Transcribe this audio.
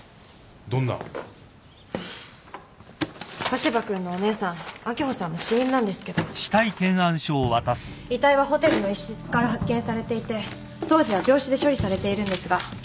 古芝君のお姉さん秋穂さんの死因なんですけど遺体はホテルの一室から発見されていて当時は病死で処理されているんですが。